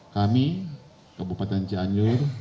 kami kabupaten cianjur